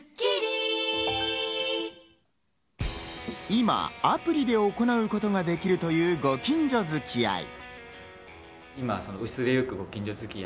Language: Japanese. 今アプリで行うことができるというご近所付き合い。